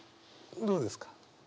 どうですか？